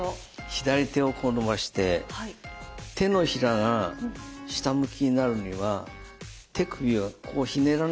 左手をこう伸ばして手のひらが下向きになるには手首をこうひねらないかぎりできないですよね。